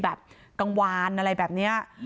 แบบกังวานอะไรแบบนี้